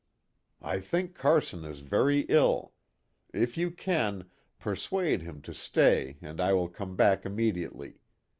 " I think Carson is very ill. If you can, persuade him to stay and I will come back immediately.